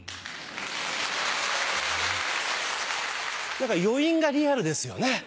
何か余韻がリアルですよね。